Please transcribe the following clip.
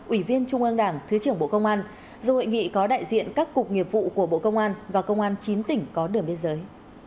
ủy viên trung an đảng thứ trưởng bộ công an dù hội nghị có đại diện các cục nghiệp vụ của bộ công an và công an chín tỉnh có đường biên giới